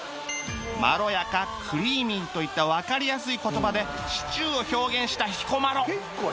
「まろやか」「クリーミー」といったわかりやすい言葉でシチューを表現した彦摩呂